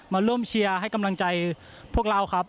มาร่วมเชียร์ให้กำลังใจพวกเราครับ